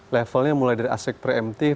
levelnya mulai dari aspek pre emblok